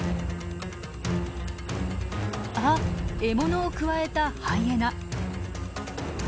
あっ獲物をくわえたハイエナ。